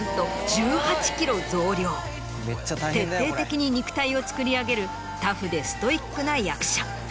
徹底的に肉体をつくり上げるタフでストイックな役者。